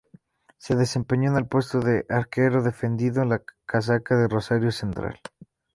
Se desempeñó en el puesto de arquero, defendiendo la casaca de Rosario Central.